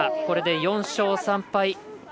これで４勝３敗。